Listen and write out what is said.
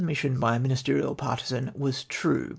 'idniission by a ministerial partisan was true.